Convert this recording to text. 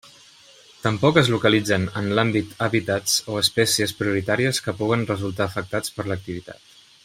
Tampoc es localitzen en l'àmbit hàbitats o espècies prioritàries que puguen resultar afectats per l'activitat.